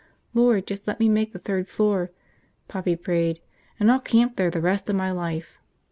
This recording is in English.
"Lord, just let me make the third floor," Poppy prayed, "and I'll camp there the rest of my life!"